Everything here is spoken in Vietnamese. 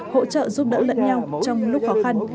hỗ trợ giúp đỡ lẫn nhau trong lúc khó khăn